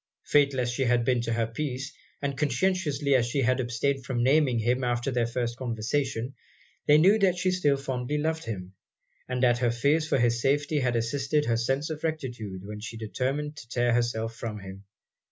Fatal as he had been to her peace, and conscientiously as she had abstained from naming him after their first conversation, they knew that she still fondly loved him, and that her fears for his safety had assisted her sense of rectitude when she determined to tear herself from him.